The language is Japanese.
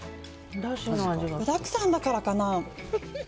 具だくさんだからかな。